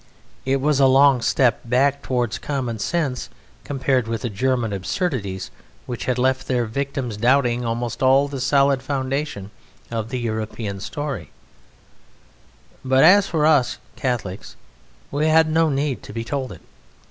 It was a long step back towards common sense compared with the German absurdities which had left their victims doubting almost all the solid foundation of the European story; but as for us Catholics, we had no need to be told it.